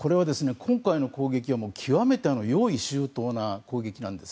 今回の攻撃は極めて用意周到な攻撃なんです。